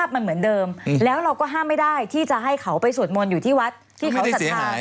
มันเหมือนเดิมแล้วเราก็ห้ามไม่ได้ที่จะให้เขาไปสวดมนต์อยู่ที่วัดที่เขาศรัทธา